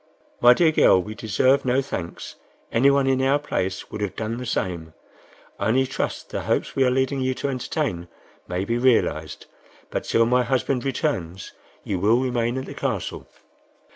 "My dear girl, we deserve no thanks; anyone in our place would have done the same. I only trust the hopes we are leading you to entertain may be realized, but till my husband returns, you will remain at the Castle."